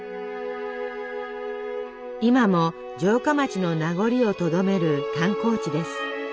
今も城下町の名残をとどめる観光地です。